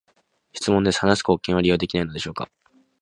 質問です、話す貢献は利用できないのでしょうか？